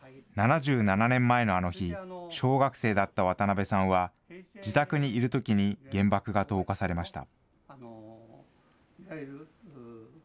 ７７年前のあの日、小学生だった渡邊さんは、自宅にいるときに原爆が投下されました。